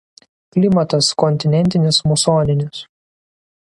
Klimatas kontinentinis musoninis.